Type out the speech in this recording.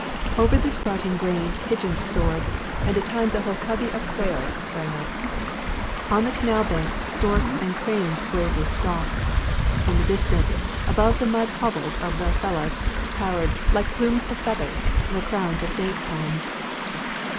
Over the sprouting grain pigeons soared, and at times a whole covey of quails sprang up. On the canal banks, storks and cranes gravely stalked. In the distance, above the mud hovels of the fellahs towered, like plumes of feathers, the crowns of date palms.